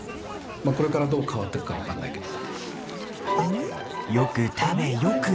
まあ、これからどう変わっていくかは分かんないけど。